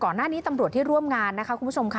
ก่อนหน้านี้ตำรวจที่ร่วมงานนะคะคุณผู้ชมค่ะ